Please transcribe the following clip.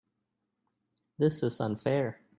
This is unfair.